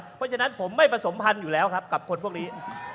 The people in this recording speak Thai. เพราะฉะนั้นผมไม่ผสมพันธุ์อยู่แล้วครับกับคนพวกนี้